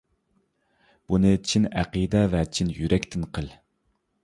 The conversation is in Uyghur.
بۇنى چىن ئەقىدە ۋە چىن يۈرەكتىن قىل!